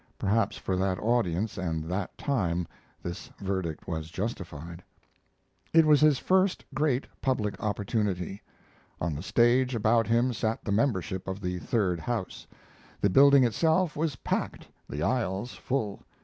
Perhaps for that audience and that time this verdict was justified. It was his first great public opportunity. On the stage about him sat the membership of the Third House; the building itself was packed, the aisles full.